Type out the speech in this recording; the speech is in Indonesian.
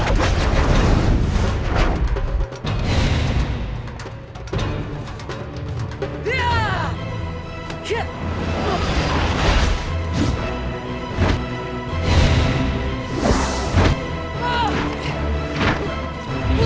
ageng erangnya baik tapi mereka lebih